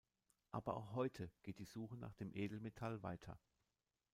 Aber auch heute geht die Suche nach dem Edelmetall weiter.